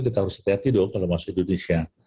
kita harus hati hati dong kalau masuk indonesia